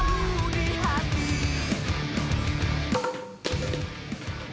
menyia apa tuh